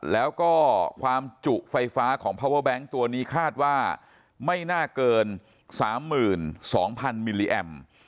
แล้วก็ความจุไฟฟ้าของพาเวอร์แบงค์ตัวนี้คาดว่าไม่น่าเกิน๓๒๐๐๐มิลลิแอม